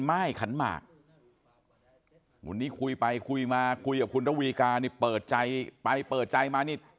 ม่ายขันหมากวันนี้คุยไปคุยมาคุยกับคุณระวีการนี่เปิดใจไปเปิดใจมานี่